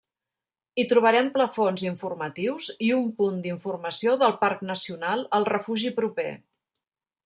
Hi trobarem plafons informatius i un punt d'informació del Parc Nacional al refugi proper.